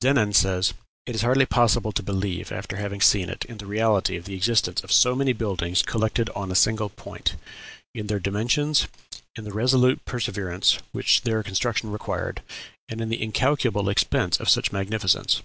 Denon says, "It is hardly possible to believe, after having seen it, in the reality of the existence of so many buildings collected on a single point in their dimensions, in the resolute perseverance which their construction required, and in the incalculable expense of so much magnificence."